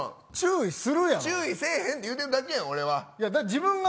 注意せえへんって言うてるだけやん。